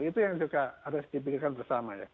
itu yang juga harus dipikirkan bersama ya